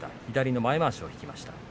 左の前まわしを引きました。